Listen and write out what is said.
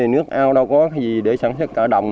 nước ao đâu có gì để sản xuất cả đồng